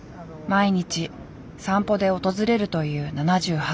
毎日散歩で訪れるという７８歳。